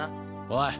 おい！